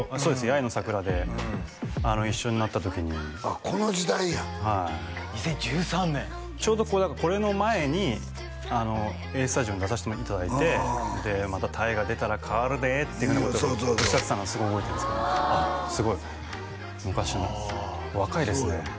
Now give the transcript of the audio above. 「八重の桜」で一緒になった時にこの時代や２０１３年ちょうどこれの前に「Ａ−Ｓｔｕｄｉｏ」に出させていただいて「また大河出たら変わるで」っていうふうなことをおっしゃってたのすごい覚えてんですけどすごい昔の若いですね